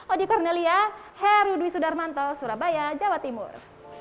odi kornelia heru dwi sudarmanto surabaya jawa timur